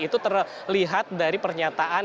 itu terlihat dari pernyataan